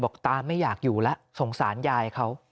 ตาไม่อยากอยู่แล้วสงสารยายเขา